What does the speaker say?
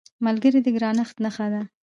ملګری د ګرانښت نښه ده